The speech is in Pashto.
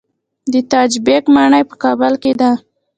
د تاج بیګ ماڼۍ په کابل کې ده